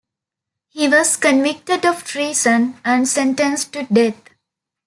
He was convicted of treason and sentenced to death.